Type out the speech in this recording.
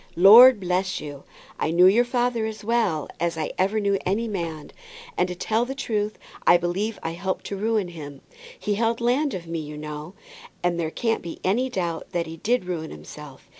Lord bless you, I knew your father as well as I ever knew any man; and to tell the truth, I believe I helped to ruin him. He held land of me, you know, and there can't be any doubt that he did ruin himself.